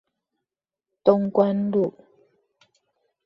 東關路